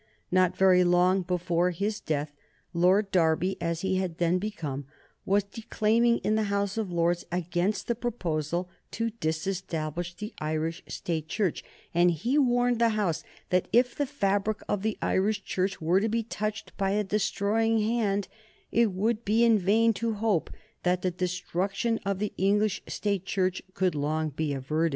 Not very long before his death Lord Derby, as he had then become, was declaiming in the House of Lords against the proposal to disestablish the Irish State Church, and he warned the House that if the fabric of the Irish Church were to be touched by a destroying hand it would be in vain to hope that the destruction of the English State Church could long be averted.